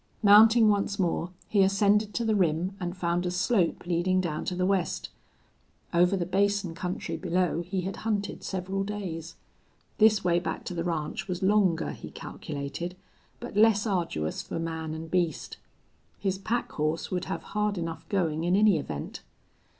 Mounting once more, he ascended to the rim and found a slope leading down to the west. Over the basin country below he had hunted several days. This way back to the ranch was longer, he calculated, but less arduous for man and beast. His pack horse would have hard enough going in any event.